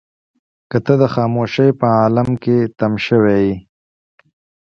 که ته د خاموشۍ په عالم کې تم شوې يې.